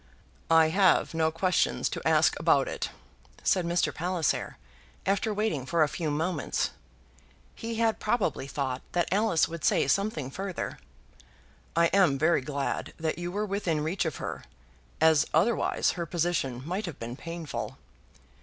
"I have no questions to ask about it," said Mr. Palliser, after waiting for a few moments. He had probably thought that Alice would say something further. "I am very glad that you were within reach of her, as otherwise her position might have been painful.